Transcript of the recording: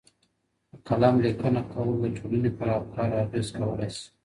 په قلم لیکنه کول د ټولني پر افکارو اغیز کولای سي.